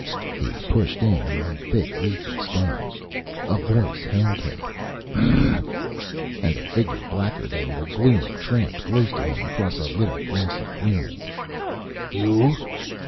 He pushed in among thick, leafy stems. A voice hailed him: "Hah!" And a figure, blacker than the gloom, tramped close to him across a little grassy clearing. "You!